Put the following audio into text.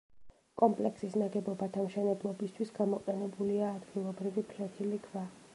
კომპლექსის ნაგებობათა მშენებლობისთვის გამოყენებულია ადგილობრივი ფლეთილი ქვა.